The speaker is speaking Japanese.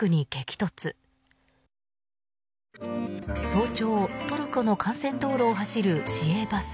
早朝トルコの幹線道路を走る市営バス。